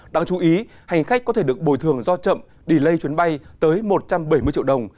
đáng chú ý hành khách có thể được bồi thường do chậm d lây chuyến bay tới một trăm bảy mươi triệu đồng